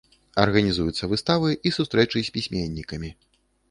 Арганізуюцца выставы і сустрэчы з пісьменнікамі.